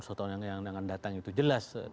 satu tahun yang akan datang itu jelas